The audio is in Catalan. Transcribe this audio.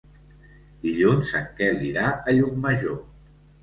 Dilluns en Quel irà a Llucmajor.